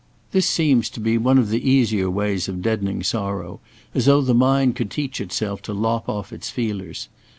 This seems to be one of the easier ways of deadening sorrow, as though the mind could teach itself to lop off its feelers.